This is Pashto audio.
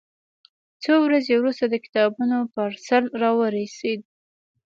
څو ورځې وروسته د کتابونو پارسل راورسېد.